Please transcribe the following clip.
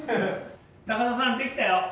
高田さんできたよ。